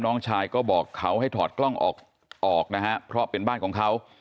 น้องชายก็บอกเขาให้ถอดกล้องออกนะฮะเพราะเป็นบ้านของเขา